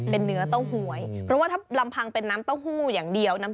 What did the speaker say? เป็นเนื้อเต้าหวยเพราะว่าถ้าลำพังเป็นน้ำเต้าหู้อย่างเดียวน้ำ